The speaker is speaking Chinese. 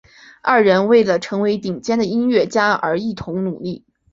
二人为了成为顶尖的音乐家而一同努力。